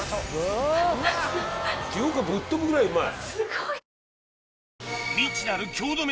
記憶がぶっ飛ぶぐらいうまい！